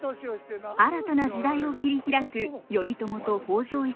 新たな時代を切り開く頼朝と北条一族。